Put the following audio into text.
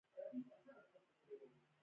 هغوی یې هېر کړي وو.